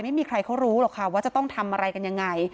ไม่มีใครเขารู้หรอกค่ะว่าจะต้องทำอะไรกันยังไง